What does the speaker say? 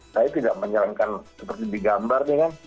saya tidak menyalahkan seperti di gambarnya kan